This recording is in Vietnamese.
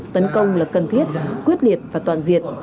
tấn công là cần thiết quyết liệt và toàn diện